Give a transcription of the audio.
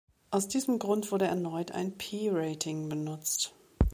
Aus diesem Grund wurde erneut ein P-Rating benutzt.